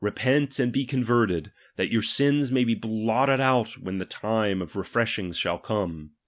7je«/ and he converted, that your sins may ie blotted out when the times of I'efreshing shall come, &.